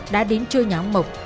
đã đến chơi nhà ông mộc